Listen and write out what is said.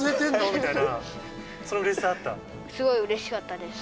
みたいな、すごいうれしかったです。